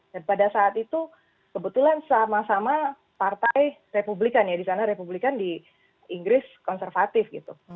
dan pada saat itu kebetulan sama sama partai republikan ya di sana republikan di inggris konservatif gitu